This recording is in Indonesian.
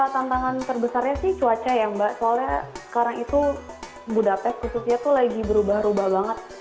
tantangan terbesarnya sih cuaca ya mbak soalnya sekarang itu budapest khususnya tuh lagi berubah ubah banget